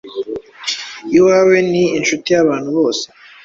Iwawe ni Inshuti y'abantu bose;